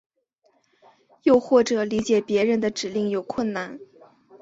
又或者理解别人的指令有困难。